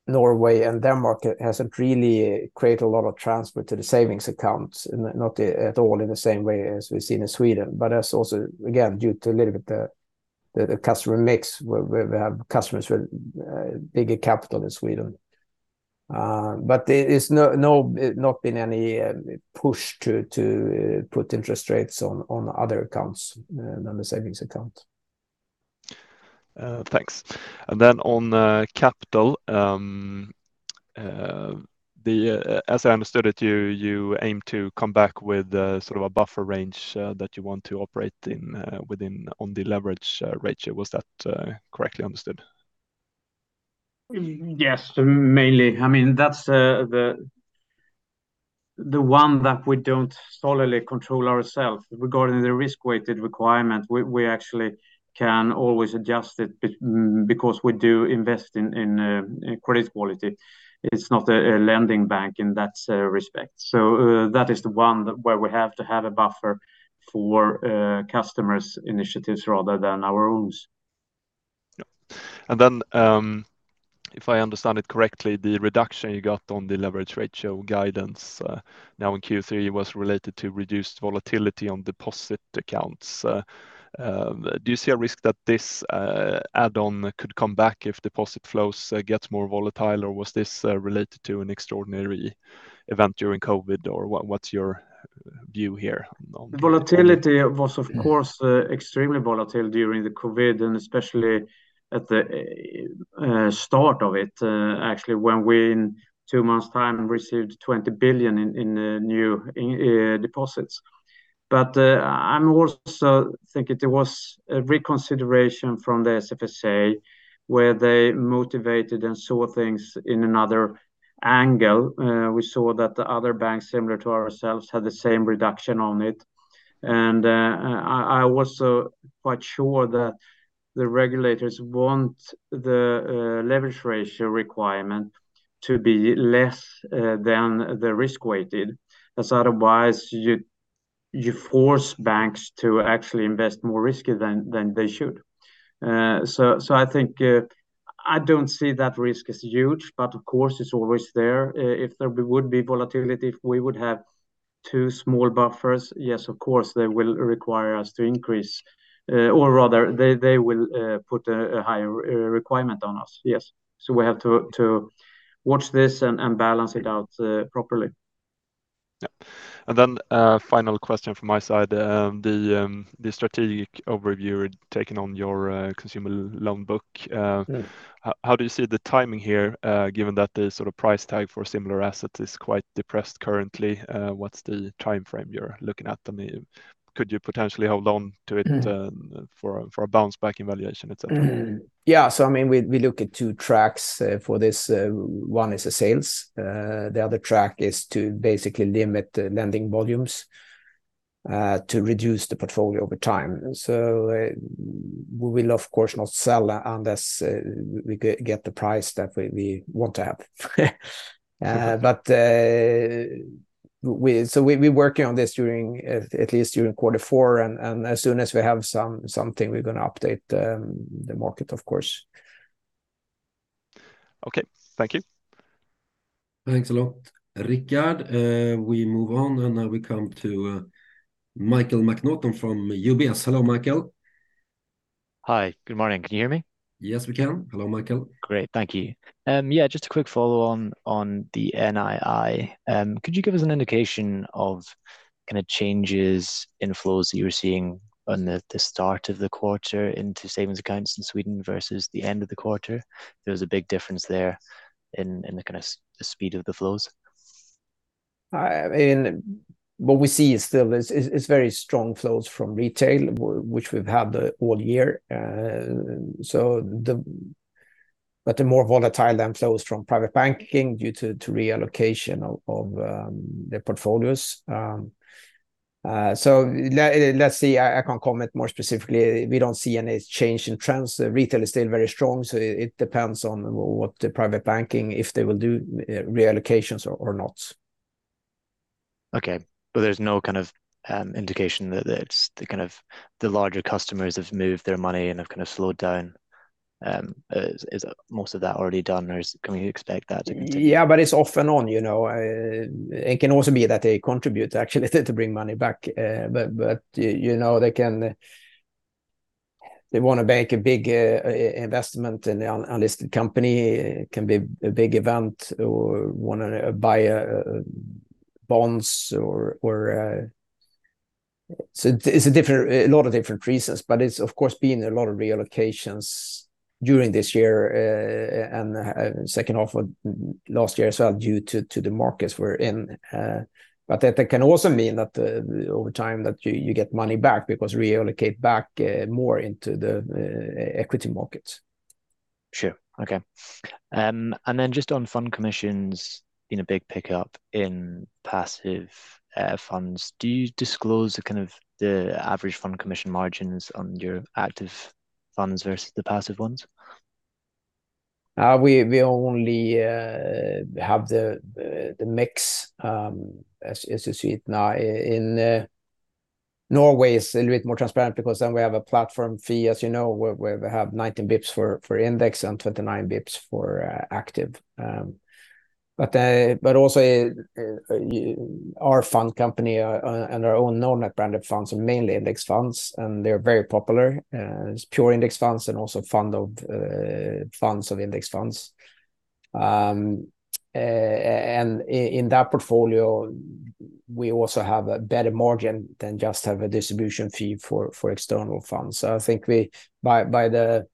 Norway and Denmark hasn't really created a lot of transfer to the savings accounts, and not at all in the same way as we've seen in Sweden. That's also, again, due to a little bit the customer mix, where we have customers with bigger capital in Sweden. There is no, not been any push to put interest rates on other accounts than the savings account. Thanks. And then on capital, as I understood it, you aim to come back with sort of a buffer range that you want to operate in, within on the leverage ratio. Was that correctly understood? Yes, mainly. I mean, that's the one that we don't solely control ourselves. Regarding the risk-weighted requirement, we actually can always adjust it because we do invest in credit quality. It's not a lending bank in that respect. So, that is the one that where we have to have a buffer for customers' initiatives rather than our own. Yeah. Then, if I understand it correctly, the reduction you got on the leverage ratio guidance, now in Q3, was related to reduced volatility on deposit accounts. Do you see a risk that this add-on could come back if deposit flows get more volatile? Or was this related to an extraordinary event during COVID, or what, what's your view here on- Volatility was, of course, extremely volatile during the COVID, and especially at the start of it, actually, when we, in two months' time, received 20 billion in, in new deposits. But, I'm also thinking there was a reconsideration from the SFSA, where they motivated and saw things in another angle. We saw that the other banks, similar to ourselves, had the same reduction on it. And, I, I was quite sure that the regulators want the leverage ratio requirement to be less than the risk-weighted. As otherwise, you, you force banks to actually invest more risky than, than they should. So, so I think,... I don't see that risk as huge, but of course, it's always there. If there would be volatility, if we would have two small buffers, yes, of course, they will require us to increase or rather, they will put a higher requirement on us. Yes. So we have to watch this and balance it out properly. Yeah. And then, final question from my side. The strategic overview taken on your consumer loan book. Yeah... How do you see the timing here, given that the sort of price tag for similar assets is quite depressed currently? What's the timeframe you're looking at? I mean, could you potentially hold on to it- Mm... for a bounce back in valuation, et cetera? Mm-hmm. Yeah, I mean, we look at two tracks for this. One is the sales. The other track is to basically limit the lending volumes to reduce the portfolio over time. We will of course not sell unless we get the price that we want to have. We are working on this at least during quarter four, and as soon as we have something, we're gonna update the market, of course. Okay. Thank you. Thanks a lot, Rickard. We move on, and now we come to Michael McNaughton from UBS. Hello, Michael. Hi. Good morning. Can you hear me? Yes, we can. Hello, Michael. Great. Thank you. Yeah, just a quick follow on, on the NII. Could you give us an indication of kind of changes in flows that you were seeing on the, the start of the quarter into savings accounts in Sweden versus the end of the quarter? There was a big difference there in, in the kind of the speed of the flows. I mean, what we see is still very strong flows from retail, which we've had the whole year. But they're more volatile than flows from private banking due to reallocation of the portfolios. Let's see, I can't comment more specifically. We don't see any change in trends. Retail is still very strong, so it depends on what the private banking, if they will do, reallocations or not. Okay. But there's no kind of indication that it's the kind of the larger customers have moved their money and have kind of slowed down? Is most of that already done, or can we expect that to- Yeah, but it's off and on, you know. It can also be that they contribute actually to bring money back. But, you know, they can—they want to make a big investment in an unlisted company, it can be a big event or want to buy bonds or... So it's a lot of different reasons, but it's of course been a lot of reallocations during this year, and second half of last year as well, due to the markets we're in. But that can also mean that, over time, that you get money back because reallocate back more into the equity markets. Sure. Okay. And then just on fund commissions, been a big pickup in passive funds. Do you disclose the kind of the average fund commission margins on your active funds versus the passive ones? We only have the mix as you see it now. In Norway is a little bit more transparent because then we have a platform fee, as you know, where we have 19 bps for index and 29 bps for active. But also our fund company and our own Nordnet branded funds are mainly index funds, and they're very popular as pure index funds and also fund of funds of index funds. And in that portfolio, we also have a better margin than just have a distribution fee for external funds. So I think we, by the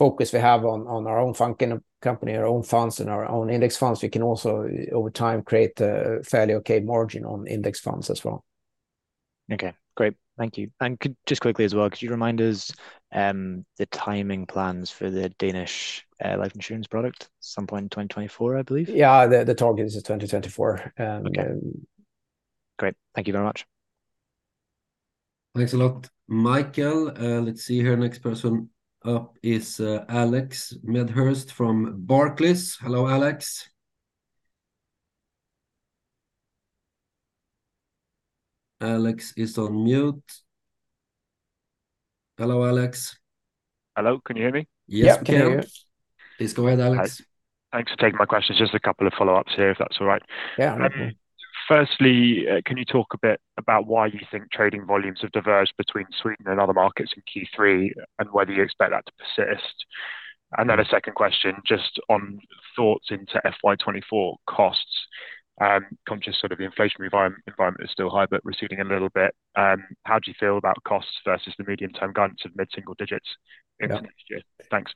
focus we have on our own fund company, our own funds, and our own index funds, we can also, over time, create a fairly okay margin on index funds as well. Okay, great. Thank you. And just quickly as well, could you remind us, the timing plans for the Danish life insurance product? Sometime in 2024, I believe. Yeah, the target is 2024, and- Okay. Great. Thank you very much. Thanks a lot, Michael. Let's see here. Next person up is, Alex Medhurst from Barclays. Hello, Alex. Alex is on mute. Hello, Alex. Hello, can you hear me? Yes, we can. Yeah, I can hear you. Please go ahead, Alex. Thanks for taking my questions. Just a couple of follow-ups here, if that's all right. Yeah, no problem. Firstly, can you talk a bit about why you think trading volumes have diverged between Sweden and other markets in Q3, and whether you expect that to persist? Mm. Then a second question, just on thoughts into FY 2024 costs. Conscious sort of the inflation environment is still high, but receding a little bit. How do you feel about costs versus the medium-term guidance of mid-single digits? Yeah... into next year? Thanks.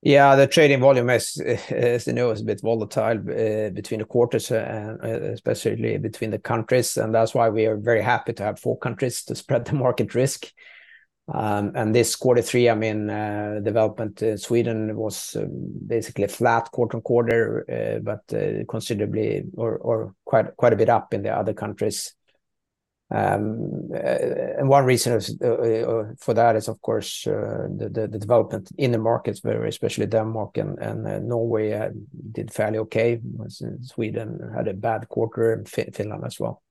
Yeah, the trading volume is, is, you know, is a bit volatile between the quarters and especially between the countries, and that's why we are very happy to have four countries to spread the market risk. And this quarter three, I mean, development, Sweden was basically flat quarter-over-quarter, but considerably or quite a bit up in the other countries. And one reason for that is, of course, the development in the markets, where especially Denmark and Norway did fairly okay. Sweden had a bad quarter, and Finland as well.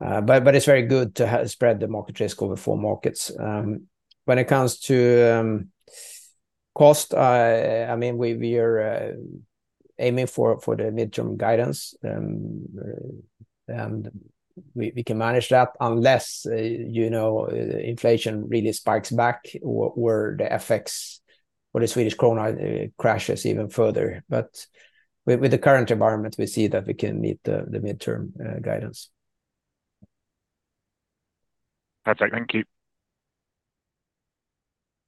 But it's very good to spread the market risk over four markets. When it comes to cost, I mean, we are aiming for the midterm guidance. And we can manage that unless, you know, inflation really spikes back, or where the FX or the Swedish krona crashes even further. But with the current environment, we see that we can meet the midterm guidance. Perfect. Thank you.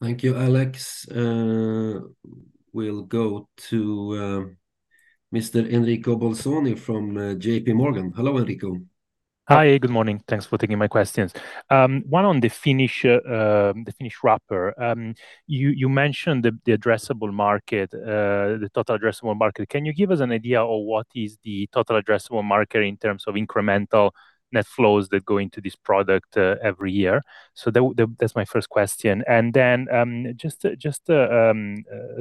Thank you, Alex. We'll go to Mr. Enrico Bolzoni from J.P. Morgan. Hello, Enrico. Hi, good morning. Thanks for taking my questions. One on the Finnish wrapper. You mentioned the addressable market, the total addressable market. Can you give us an idea of what is the total addressable market in terms of incremental net flows that go into this product every year? So that's my first question. And then, just a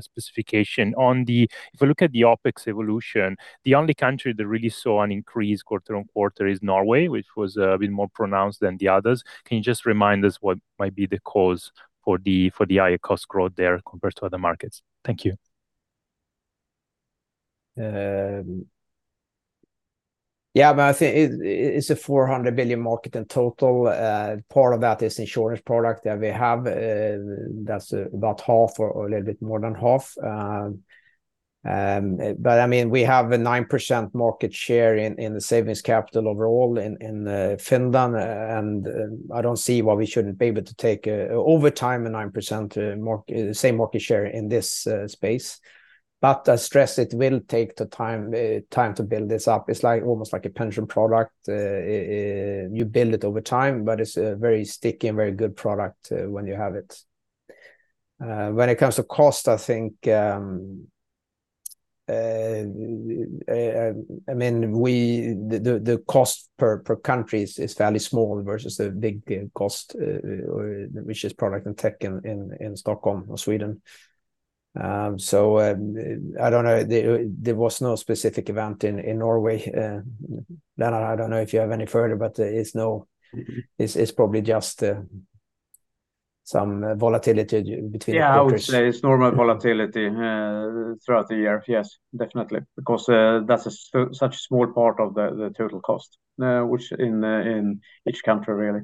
specification on the-- If we look at the OpEx evolution, the only country that really saw an increase quarter-on-quarter is Norway, which was a bit more pronounced than the others. Can you just remind us what might be the cause for the higher cost growth there compared to other markets? Thank you. Yeah, but I think it, it's a 400 billion market in total. Part of that is insurance product that we have, that's about half or a little bit more than half. But I mean, we have a 9% market share in the savings capital overall in Finland, and I don't see why we shouldn't be able to take, over time, a 9%, same market share in this space. But I stress it will take the time, time to build this up. It's like, almost like a pension product. You build it over time, but it's a very sticky and very good product, when you have it. When it comes to cost, I think, I mean, the cost per country is fairly small versus the big cost, which is product and tech in Stockholm or Sweden. So, I don't know. There was no specific event in Norway. Dana, I don't know if you have any further, but it's no- Mm-hmm... It's probably just some volatility between the quarters. Yeah, I would say it's normal volatility throughout the year. Yes, definitely. Because that's such a small part of the total cost, which in each country, really.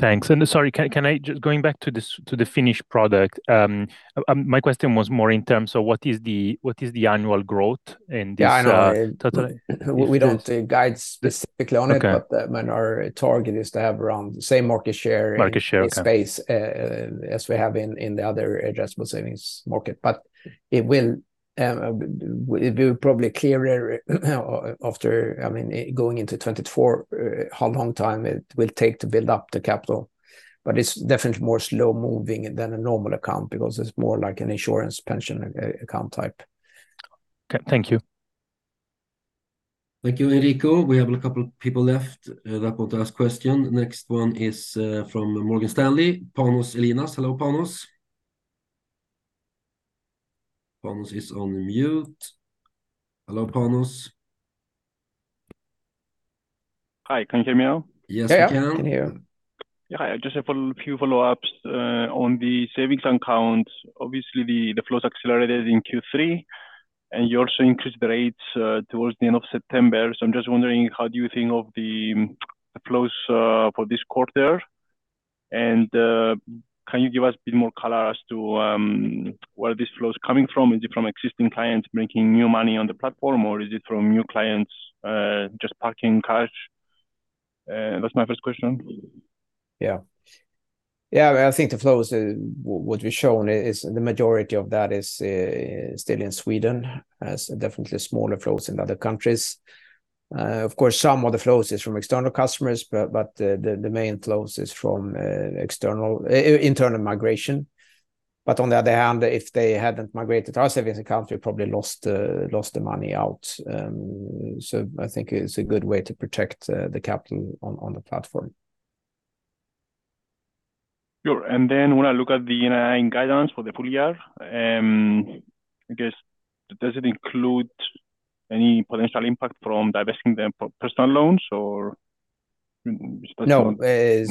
Thanks. Sorry, can I just, going back to the Finnish product, my question was more in terms of what is the annual growth in this, Yeah, I know.... totally. We don't guide specifically on it. Okay. Our target is to have around the same market share- Market share, okay.... in space, as we have in, in the other adjustable savings market. But it will, it will probably clearer, after, I mean, going into 2024, how long time it will take to build up the capital. But it's definitely more slow-moving than a normal account because it's more like an insurance pension account type. Okay. Thank you. Thank you, Enrico. We have a couple of people left that want to ask question. The next one is from Morgan Stanley, Panos Ellinas. Hello, Panos. Panos is on mute. Hello, Panos. Hi, can you hear me now? Yes, I can. Yeah, I can hear you. Yeah. I just have a few follow-ups on the savings account. Obviously, the flows accelerated in Q3, and you also increased the rates towards the end of September. So I'm just wondering, how do you think of the flows for this quarter? And can you give us a bit more color as to where this flow is coming from? Is it from existing clients making new money on the platform, or is it from new clients just parking cash? That's my first question. Yeah. Yeah, I think the flows, what we've shown is the majority of that is still in Sweden, has definitely smaller flows in other countries. Of course, some of the flows is from external customers, but the main flows is from internal migration. But on the other hand, if they hadn't migrated to our savings account, we probably lost the money out. So I think it's a good way to protect the capital on the platform. Sure. And then when I look at the guidance for the full year, I guess, does it include any potential impact from divesting the personal loans or... No,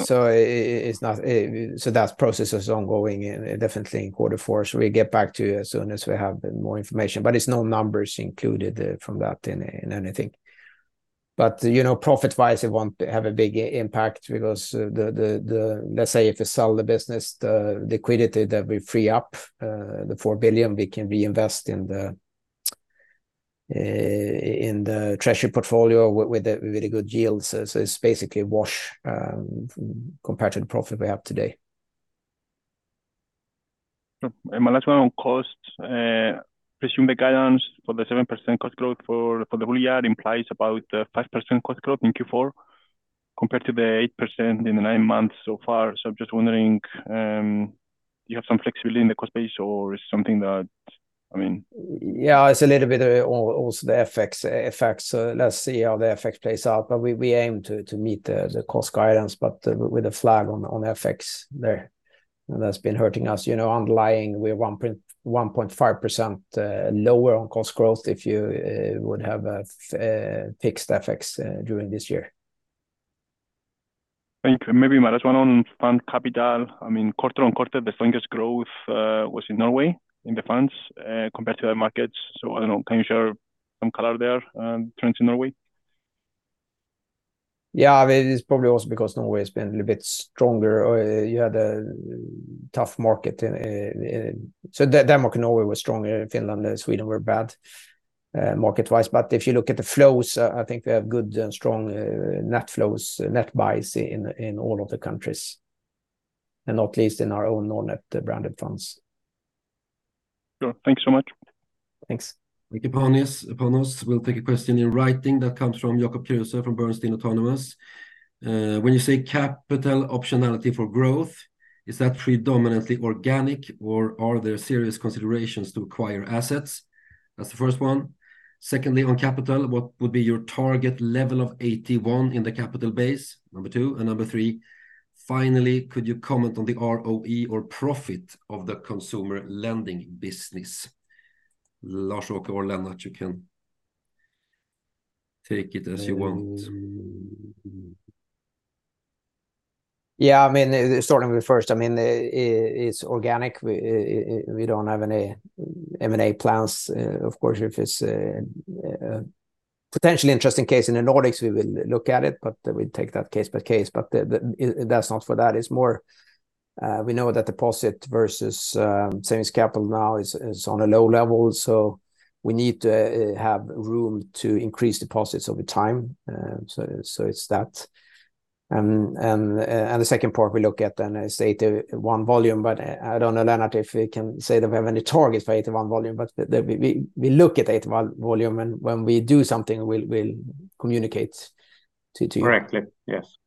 so it's not, so that process is ongoing, definitely in quarter four. So we get back to you as soon as we have more information, but it's no numbers included from that in, in anything. But, you know, profit-wise, it won't have a big impact because the, the, the—let's say if you sell the business, the liquidity that we free up, the 4 billion, we can reinvest in the, in the treasury portfolio with the, with the good yields. So it's basically wash, compared to the profit we have today. And my last one on costs. Presume the guidance for the 7% cost growth for the whole year implies about 5% cost growth in Q4, compared to the 8% in the nine months so far. So I'm just wondering, do you have some flexibility in the cost base, or is something that, I mean- Yeah, it's a little bit, also the FX, FX. So let's see how the FX plays out, but we aim to meet the cost guidance, but with the flag on FX there, and that's been hurting us. You know, underlying, we're 1.5% lower on cost growth if you would have fixed FX during this year.... Thank you. Maybe my last one on fund capital. I mean, quarter-on-quarter, the strongest growth was in Norway, in the funds, compared to other markets. So I don't know, can you share some color there, trends in Norway? Yeah, it is probably also because Norway has been a little bit stronger. You had a tough market in, so Denmark and Norway were stronger, Finland and Sweden were bad, market-wise. But if you look at the flows, I think we have good and strong, net flows, net buys in all of the countries, and not least in our own Nordnet-branded funds. Sure. Thanks so much. Thanks. Thank you, Panos. Panos, we'll take a question in writing that comes from Jakob Kruse from Autonomous Research. When you say capital optionality for growth, is that predominantly organic, or are there serious considerations to acquire assets? That's the first one. Secondly, on capital, what would be your target level of AT1 in the capital base? Number two, and number three, finally, could you comment on the ROE or profit of the consumer lending business? Lars-Åke or Lennart, you can take it as you want. Yeah, I mean, starting with first, I mean, it's organic. We, we don't have any M&A plans. Of course, if it's a, a potentially interesting case in the Nordics, we will look at it, but we take that case by case. But the, the, that's not for that. It's more, we know that deposit versus, savings capital now is, is on a low level, so we need to, have room to increase deposits over time. So, so it's that. And, and, and the second part we look at then is AT1 volume, but I don't know, Lennart, if we can say that we have any targets for AT1 volume, but we, we, we look at AT1 volume, and when we do something, we'll, we'll communicate to you. Correctly, yes.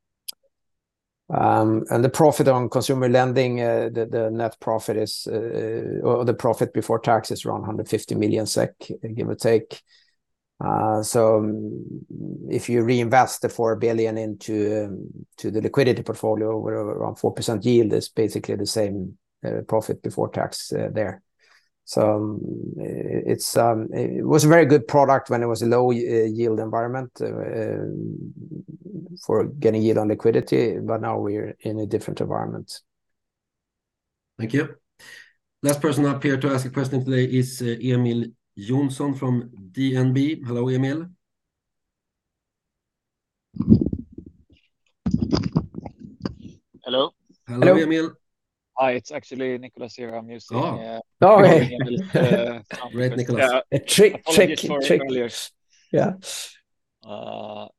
The profit on consumer lending, the net profit is, or the profit before tax is around 150 million SEK, give or take. So if you reinvest the 4 billion into the liquidity portfolio, where around 4% yield is basically the same profit before tax there. So, it's... It was a very good product when it was a low-yield environment for getting yield on liquidity, but now we're in a different environment. Thank you. Last person up here to ask a question today is Emil Johnsen from DNB. Hello, Emil. Hello? Hello, Emil. Hi, it's actually Nicolas here. I'm using- Oh, hi. Great, Nicolas. A trick. Yeah.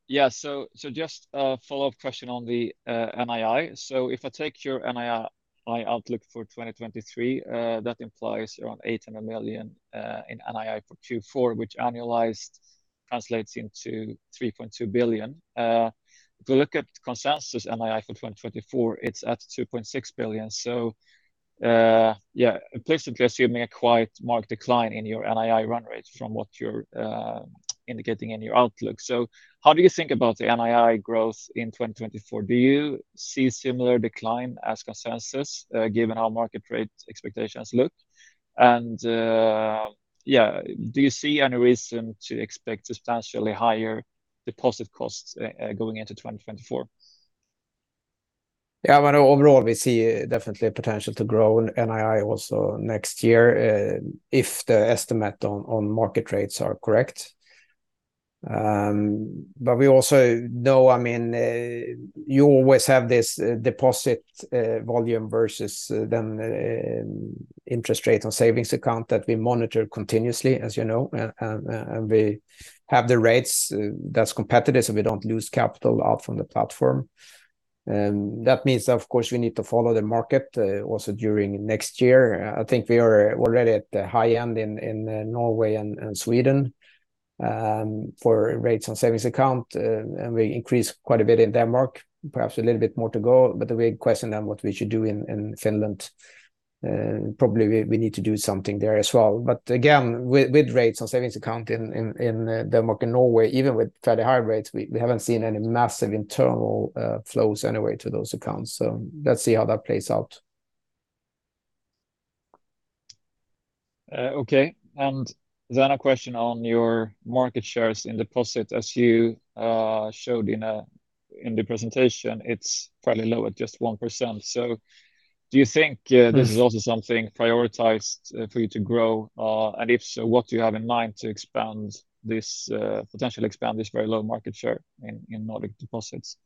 Yeah, so, so just a follow-up question on the NII. So if I take your NII, NII outlook for 2023, that implies around 800 million in NII for Q4, which annualized translates into 3.2 billion. If you look at consensus NII for 2024, it's at 2.6 billion. So, yeah, basically assuming a quite marked decline in your NII run rate from what you're indicating in your outlook. So how do you think about the NII growth in 2024? Do you see similar decline as consensus, given how market rate expectations look? And, yeah, do you see any reason to expect substantially higher deposit costs, going into 2024? Yeah, but overall, we see definitely a potential to grow NII also next year, if the estimate on market rates are correct. But we also know, I mean, you always have this deposit volume versus then interest rate on savings account that we monitor continuously, as you know, and we have the rates that's competitive, so we don't lose capital out from the platform. That means, of course, we need to follow the market also during next year. I think we are already at the high end in Norway and Sweden for rates on savings account, and we increased quite a bit in Denmark, perhaps a little bit more to go. But the big question then, what we should do in Finland, and probably we need to do something there as well. But again, with rates on savings account in Denmark and Norway, even with fairly high rates, we haven't seen any massive internal flows anyway to those accounts. So let's see how that plays out. Okay. And then a question on your market shares in deposit, as you showed in the presentation, it's fairly low at just 1%. So do you think- Mm... this is also something prioritized for you to grow? And if so, what do you have in mind to expand this, potentially expand this very low market share in Nordic deposits?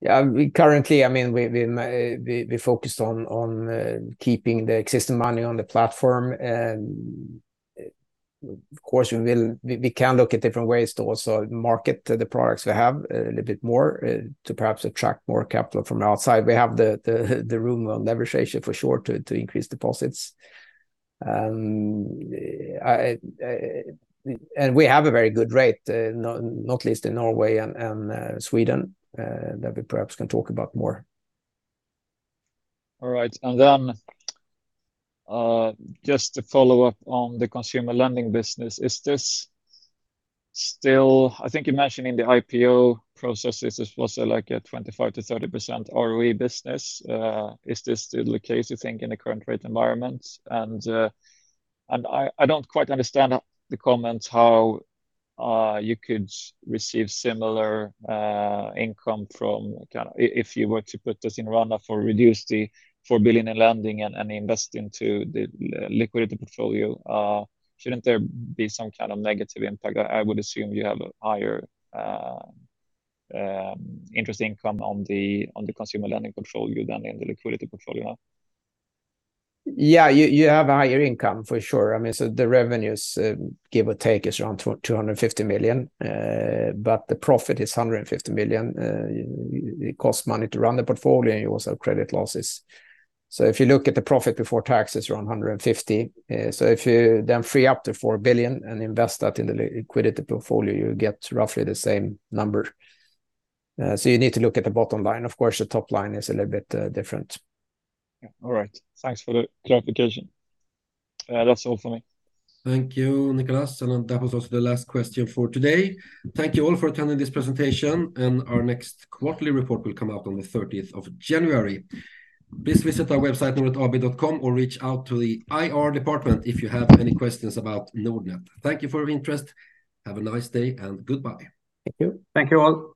Yeah, we currently, I mean, we focused on keeping the existing money on the platform. And of course, we can look at different ways to also market the products we have a little bit more to perhaps attract more capital from outside. We have the room on negotiation for sure to increase deposits. And we have a very good rate, not least in Norway and Sweden, that we perhaps can talk about more. All right. And then, just to follow up on the consumer lending business, is this still... I think you mentioned in the IPO processes, this was like a 25%-30% ROE business. Is this still the case, you think, in the current rate environment? And, and I don't quite understand the comments, how you could receive similar income from kind of- if you were to put this in order to reduce the 4 billion in lending and invest into the liquidity portfolio, shouldn't there be some kind of negative impact? I would assume you have a higher interest income on the consumer lending portfolio than in the liquidity portfolio. Yeah, you, you have a higher income, for sure. I mean, so the revenues, give or take, is around 250 million, but the profit is 150 million. It costs money to run the portfolio and you also have credit losses. So if you look at the profit before taxes, around 150 million. So if you then free up the 4 billion and invest that in the liquidity portfolio, you get roughly the same number. So you need to look at the bottom line. Of course, the top line is a little bit different. Yeah. All right. Thanks for the clarification. That's all for me. Thank you, Nicolas. That was also the last question for today. Thank you all for attending this presentation, and our next quarterly report will come out on the 30th of January. Please visit our website, nordnetab.com, or reach out to the IR department if you have any questions about Nordnet. Thank you for your interest. Have a nice day, and goodbye. Thank you. Thank you, all.